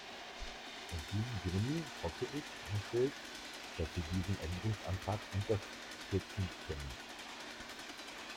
Aus diesen Gründen hoffe ich, Herr Schulz, dass Sie diesen Änderungsantrag unterstützen können.